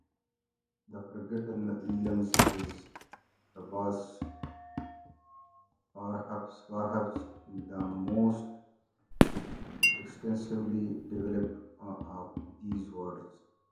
The Forgotten Realms is perhaps the most extensively developed of these worlds.